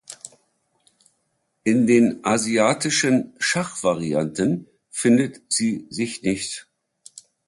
In den asiatischen Schachvarianten findet sie sich nicht.